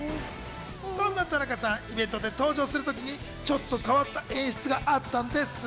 そんな田中さん、イベントで登場する時に、ちょっと変わった演出があったんです。